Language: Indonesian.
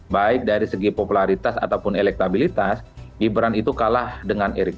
baik dari segi popularitas ataupun elektabilitas gibran itu kalah dengan erick